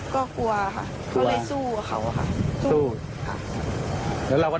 โดดลงรถหรือยังไงครับ